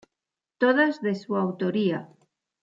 Todas de su autoría.